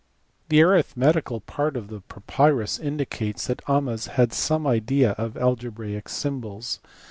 The arithmetical part of the papyrus indicates that Ahmes had some idea of algebraic symbols.